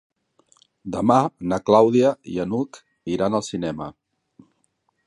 Demà na Clàudia i n'Hug iran al cinema.